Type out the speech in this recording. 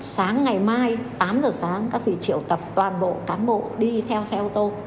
sáng ngày mai tám giờ sáng các vị triệu tập toàn bộ cán bộ đi theo xe ô tô